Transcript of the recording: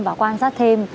và quan sát thêm